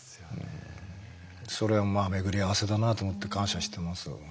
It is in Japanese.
それは巡り合わせだなと思って感謝してます。